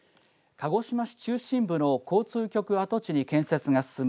鹿児島市中心部の交通局跡地に建設が進む